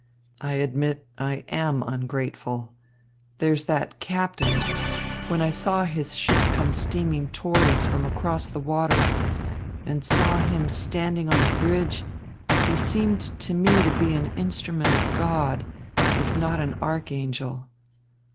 I admit I am ungrateful. There's that captain when I saw his ship come steaming toward us from across the waters and saw him standing on the bridge, he seemed to me to be an instrument of God, if not an archangel.